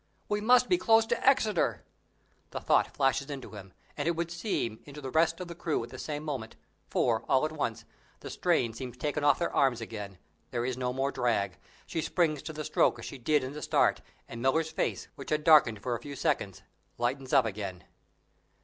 "We must be close to Exeter!" The thought flashes into him, and, it would seem, into the rest of the crew at the same moment; for, all at once, the strain seems taken off their arms again; there is no more drag; she springs to the stroke as she did at the start; and Miller's face, which had darkened for a few seconds, lightens up again.